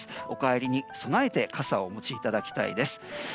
お帰りに備えて傘をお持ちいただきたいです。